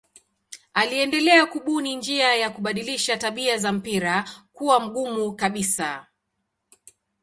Aliendelea kubuni njia ya kubadilisha tabia za mpira kuwa mgumu kabisa.